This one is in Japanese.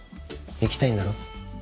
行きたいんだろ？